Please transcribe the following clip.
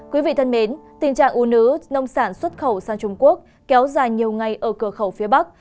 quý vị thân mến tình trạng u nứ nông sản xuất khẩu sang trung quốc kéo dài nhiều ngày ở cửa khẩu phía bắc